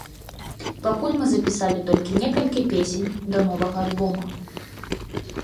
Пакуль мы запісалі толькі некалькі песень да новага альбома.